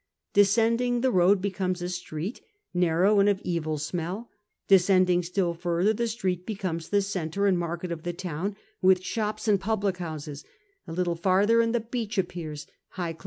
Descending, the road becomes a street, narrow and of evil smell ; descending still lower, the street becomes the centre and market of the town, with shops and public houses; a little farther, and the beach appears, high cIif!